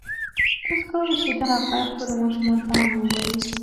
تاسو کولی شئ دا حقایق خپلو ماشومانو ته هم ووایئ.